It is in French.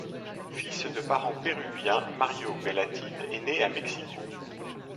Fils de parents péruviens, Mario Bellatin est né à Mexico.